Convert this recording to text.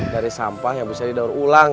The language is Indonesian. dari sampah yang bisa didaur ulang